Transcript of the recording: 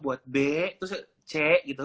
buat b terus c gitu